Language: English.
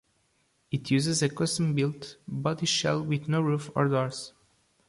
It uses a custom built bodyshell with no roof or doors.